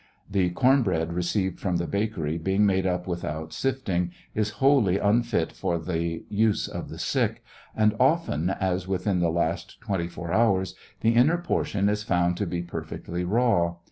The corn bread received from the bakery, being made up without sifting, is wholly unfit for the use of tjie sick, and often, as within the last twenty four hours, the inner portion is found to be perfectly raw.